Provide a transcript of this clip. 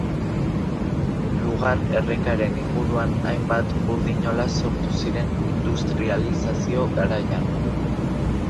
Lugar errekaren inguruan hainbat burdinola sortu ziren industrializazio garaian.